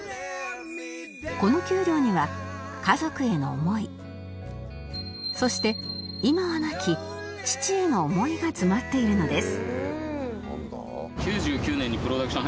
この給料には家族への思いそして今は亡き父への思いが詰まっているのです